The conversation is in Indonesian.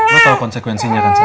lu tau konsekuensinya kan sa